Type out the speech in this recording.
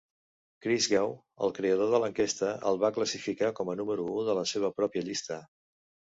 Christgau, el creador de l'enquesta, el va classificar com a número u de la seva pròpia llista.